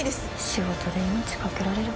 「仕事で命懸けられるかな」